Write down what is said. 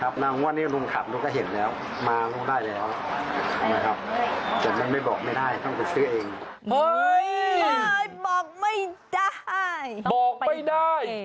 บอกไปได้